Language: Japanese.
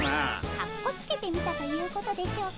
かっこつけてみたということでしょうか。